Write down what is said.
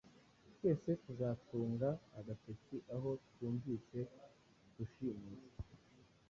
Twese tuzatunga agatoki aho twumvise Rushimusi.